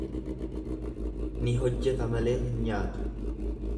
Ni hojjeta malee hin nyaatu.